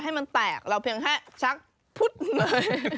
ให้มันแตกเราเพียงแค่ชักพุดเลย